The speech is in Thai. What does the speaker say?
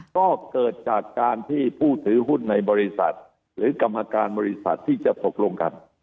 ก็เกิดจากการที่ผู้ถือหุ้นในบริษัทหรือกรรมการบริษัทที่จะตกลงกัน